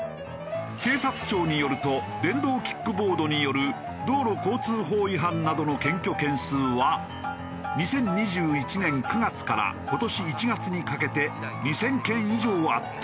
警察庁によると電動キックボードによる道路交通法違反などの検挙件数は２０２１年９月から今年１月にかけて２０００件以上あった。